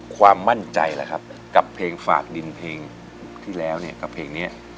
ความมั่นใจล่ะครับกับเพลงฝากดินเพลงที่แล้วเนี่ยกับเพลงนี้